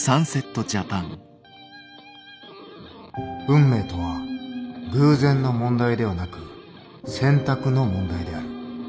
運命とは偶然の問題ではなく選択の問題である。